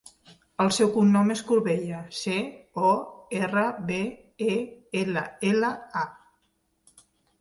El seu cognom és Corbella: ce, o, erra, be, e, ela, ela, a.